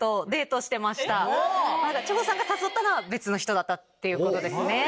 ちほさんが誘ったのは別の人だったっていうことですね。